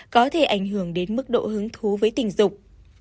có thể ảnh hưởng đến mức độ hứng thú với tình dục